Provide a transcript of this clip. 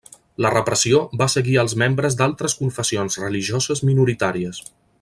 La repressió va seguir als membres d'altres confessions religioses minoritàries.